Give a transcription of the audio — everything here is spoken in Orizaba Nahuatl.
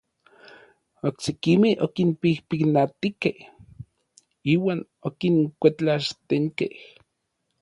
Oksekimej okinpijpinatijkej iuan okinkuetlaxtenkej.